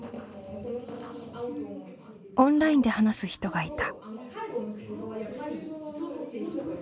オンラインで話す人がいた。